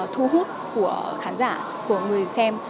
thu hút của khán giả của người xem